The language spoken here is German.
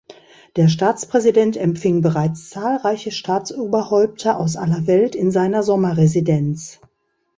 Der Staatspräsident empfing bereits zahlreiche Staatsoberhäupter aus aller Welt in seiner Sommerresidenz.